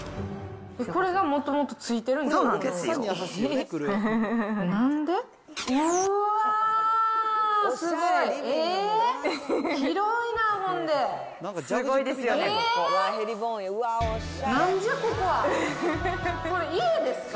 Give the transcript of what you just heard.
これがもともと付いてるんですか？